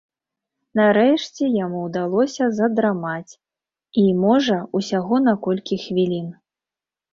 Нарэшце яму ўдалося задрамаць, і, можа, усяго на колькі хвілін.